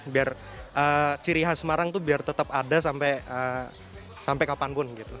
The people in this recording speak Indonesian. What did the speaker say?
biar ciri khas semarang tuh biar tetap ada sampai kapanpun gitu